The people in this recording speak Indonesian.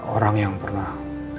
orang yang pernah